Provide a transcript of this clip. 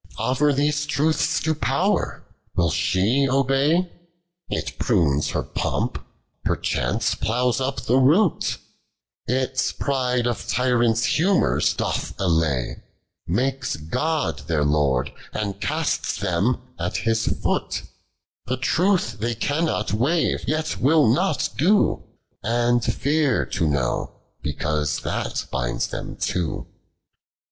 Offer these truths to Pow'r, will she obey ? It prunes her pomp, perchance ploughs up the root ; It pride of tyrants' humors doth allay, Makes God their Lord, and casts them at His foot; This truth they cannot wave, yet will not do, And fear to know because that binds them too.